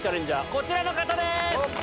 こちらの方です！